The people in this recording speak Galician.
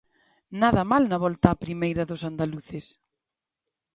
Nada mal na volta a primeira dos andaluces.